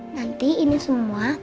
nanti ini semua